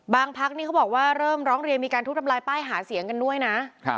พักนี่เขาบอกว่าเริ่มร้องเรียนมีการทุบทำลายป้ายหาเสียงกันด้วยนะ